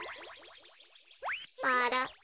あら？